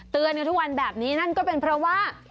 อยู่ทุกวันแบบนี้นั่นก็เป็นเพราะว่า